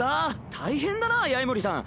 大変だな八重森さん。